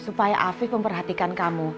supaya afif memperhatikan kamu